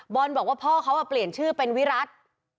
บอกว่าพ่อเขาเปลี่ยนชื่อเป็นวิรัติ